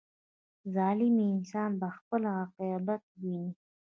• ظالم انسان به خپل عاقبت ویني.